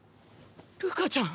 るかちゃん。